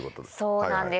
そうなんです。